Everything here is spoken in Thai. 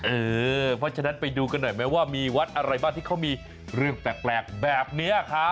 เพราะฉะนั้นไปดูกันหน่อยไหมว่ามีวัดอะไรบ้างที่เขามีเรื่องแปลกแบบนี้ครับ